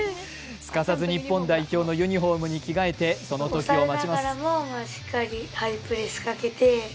すかさず日本代表のユニフォームに着替えて、その時を待ちます。